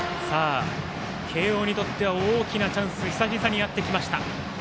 慶応にとっては大きなチャンスが久々にやってきました。